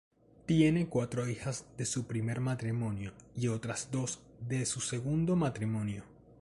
Tiene cuatro hijas de su primer matrimonio y otras dos de su segundo matrimonio.